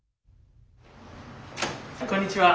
こんにちは。